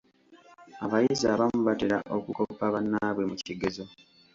Abayizi abamu batera okukoppa bannaabwe mu kigezo.